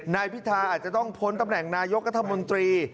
นายพิธาอาจจะต้องพ้นตำแหน่งนายกรัฐมนตรี